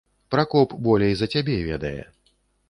Пракоп болей за цябе ведае.